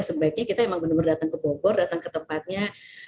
sebaiknya kita emang benar benar datang ke bogor datang ke tempatnya